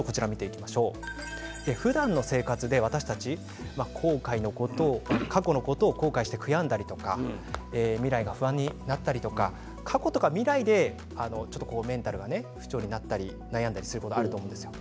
ふだんの生活で過去のことを後悔して悔やんだり未来が不安になったり過去や未来でメンタルが不調になったり悩んだりすることがあると思うんです。